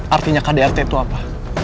artinya kdrt itu apa